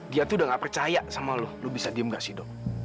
dia tuh udah gak percaya sama lo bisa diem gak sih dok